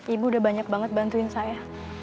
ibu udah banyak banget bantuin saya